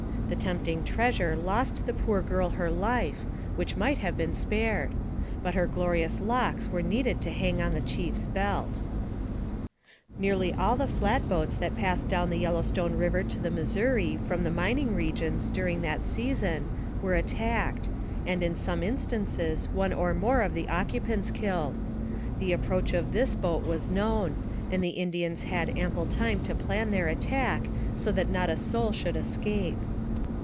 The tempting treasure lost the poor girl her life, which might have been spared; but her glorious locks were needed to hang on the chief's belt. Nearly all the flat boats that passed down the Yel lowstone River to the Missiouri, from the mining re gions, during that season, were attacked, and in some 166 NARRATIVE OF CAPTIVITY instances one or more of the occupants killed. The approach of this boat was known, and the Indians had ample time to plan their attack so that not a soul should escape.